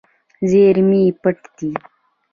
زیرمې پټ دي.